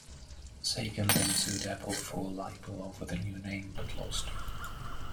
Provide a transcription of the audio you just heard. Sagan then sued Apple for libel over the new name, but lost.